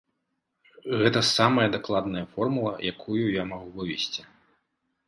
Гэта самая дакладная формула, якую я магу вывесці.